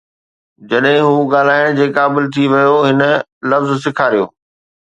جڏهن هو ڳالهائڻ جي قابل ٿي ويو، هن لفظ سيکاريو